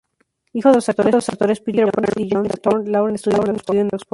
Hijo de los actores Peter Penry-Jones y Angela Thorne, Lauren estudió en Oxford.